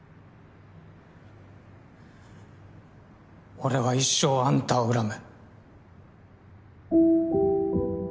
俺は一生あんたを恨む。